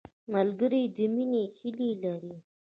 ملګری د مینې هیلې لري